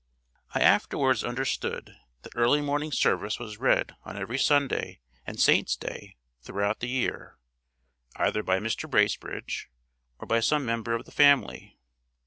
I afterwards understood that early morning service was read on every Sunday and saint's day throughout the year, either by Mr. Bracebridge or by some member of the family.